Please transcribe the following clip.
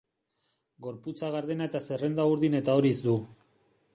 Gorputza gardena eta zerrenda urdin eta horiz du.